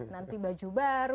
nanti baju baru